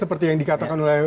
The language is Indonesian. seperti yang dikatakan oleh